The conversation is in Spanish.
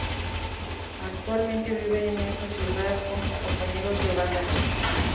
Actualmente vive en esa ciudad con sus compañeros de banda.